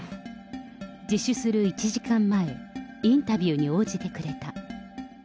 自首する１時間前、インタビューに応じてくれた。